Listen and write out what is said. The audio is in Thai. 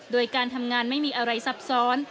โดยการทำงานไม่มีอะไรซับซ้อน